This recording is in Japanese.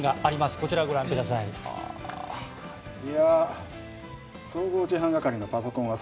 こちら、ご覧ください。